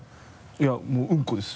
いやもううんこです。